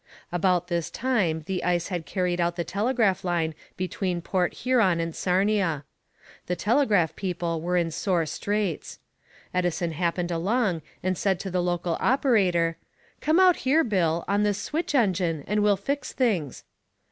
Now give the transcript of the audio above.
About this time the ice had carried out the telegraph line between Port Huron and Sarnia. The telegraph people were in sore straits. Edison happened along and said to the local operator, "Come out here, Bill, on this switch engine and we'll fix things!"